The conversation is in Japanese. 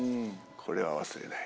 これは忘れない。